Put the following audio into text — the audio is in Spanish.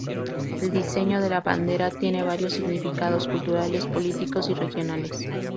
El diseño de la bandera tiene varios significados, culturales, políticos y regionales.